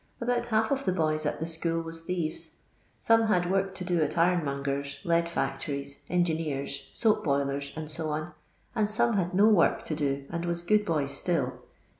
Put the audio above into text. About half of the boys at the school was thieves. Some had work to do at ironmongers, leud factories, engineers, aoap boilers, and so on, and some had no work to do and was good boys still.